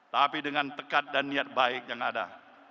tapi dengan tekat dan niat baik yang ada